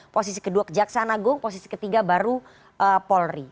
posisi kedua kejaksaan agung posisi ketiga baru polri